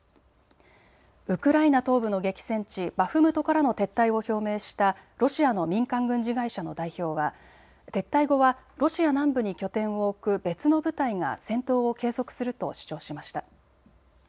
ウクライナ東部の激戦地バフムトからの撤退を表明したロシアの民間軍事会社の代表は撤退後はロシア南部に拠点を置く別の部隊が戦闘を継続すると主張しました。